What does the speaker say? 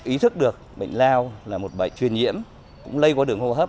ý thức được bệnh lao là một bệnh truyền nhiễm cũng lây qua đường hô hấp